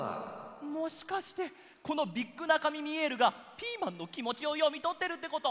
もしかしてこのビッグナカミミエルがピーマンのきもちをよみとってるってこと！？